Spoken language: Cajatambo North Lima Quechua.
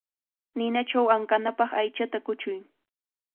Ninachaw ankanapaq aychata kuchuy.